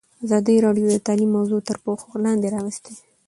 ازادي راډیو د تعلیم موضوع تر پوښښ لاندې راوستې.